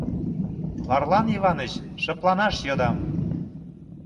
Варлам Иваныч, шыпланаш йодам...